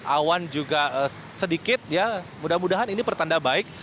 awan juga sedikit ya mudah mudahan ini pertanda baik